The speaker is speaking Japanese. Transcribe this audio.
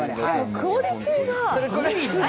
クオリティーがすごい。